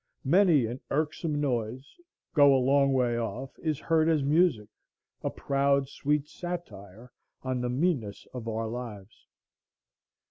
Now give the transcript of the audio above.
Many an irksome noise, go a long way off, is heard as music, a proud sweet satire on the meanness of our lives.